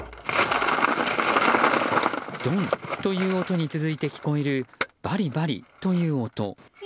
ドンという音に続いて聞こえるバリバリという音。